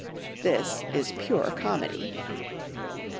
'" This is pure comedy!